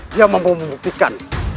dia mampu membuktikan